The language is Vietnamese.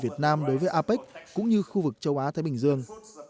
việt nam đối với apec cũng như khu vực châu á thái bình dương